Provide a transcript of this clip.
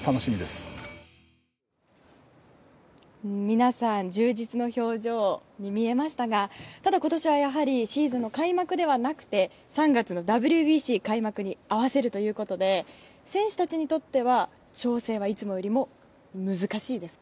皆さん、充実の表情に見えましたがただ、今年はやはりシーズンの開幕ではなくて３月のＷＢＣ開幕に合わせるということで選手たちにとっては調整はいつもよりも難しいですか。